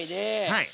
はい。